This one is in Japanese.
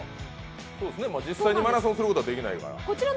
実際にマラソンすることはできないから。